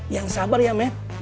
yang sabar ya matt